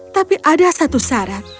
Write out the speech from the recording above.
tapi ada satu syarat